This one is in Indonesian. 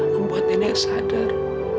membuat nenek sadar